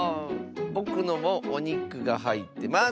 ぼくのもおにくがはいってます！